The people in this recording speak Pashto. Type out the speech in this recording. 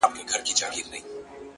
ستا دی که قند دی ـ